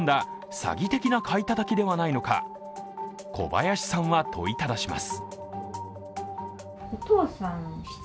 詐欺的な買いたたきではないのか、小林さんは問いただします。